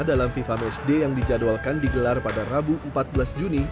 dalam fifa matchday yang dijadwalkan digelar pada rabu empat belas juni